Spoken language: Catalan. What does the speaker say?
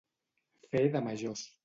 Fer de majors.